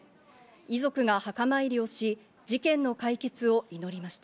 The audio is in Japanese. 遺族が墓参りをし、事件の解決を祈りました。